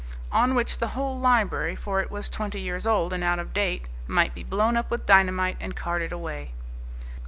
On which the whole library, for it was twenty years old and out of date, might be blown up with dynamite and carted away.